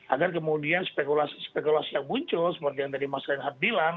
agar kemudian spekulasi spekulasi yang muncul seperti yang tadi mas reinhard bilang